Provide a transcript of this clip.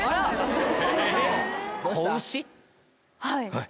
はい。